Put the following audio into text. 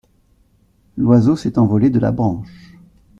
L’oiseau s’est envolé de la branche.